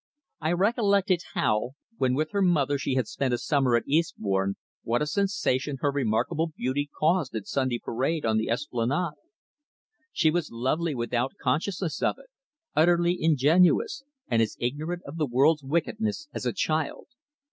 I recollected how, when with her mother she had spent a summer at Eastbourne, what a sensation her remarkable beauty caused at Sunday parade on the Esplanade. She was lovely without consciousness of it, utterly ingenuous, and as ignorant of the world's wickedness as a child.